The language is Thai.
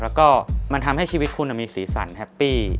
แล้วก็มันทำให้ชีวิตคุณมีสีสันแฮปปี้